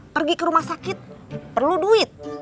pergi ke rumah sakit perlu duit